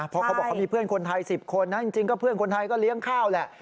เพราะเขาบอกเขามีเพื่อนคนไทย๑๐คนนะจริงก็เพื่อนคนไทยก็เลี้ยงข้าวแหละ